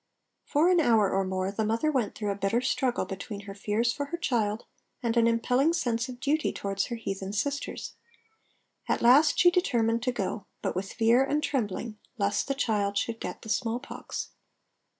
For an hour or more the mother went through a bitter struggle between her fears for her child and an impelling sense of duty towards her heathen sisters. At last she determined to go, but with fear and trembling lest the child should get the smallpox.